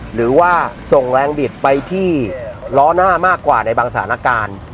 หรือว่าส่งแรงบิดไปที่ล้อหน้ามากกว่าในบางสถานการณ์